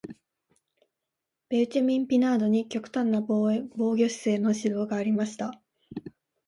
ベウチェミン・ピナードに極端な防御姿勢の指導がありました。